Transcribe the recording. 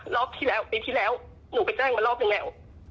รอบที่แล้วปีที่แล้วหนูไปแจ้งมารอบหนึ่งแล้ว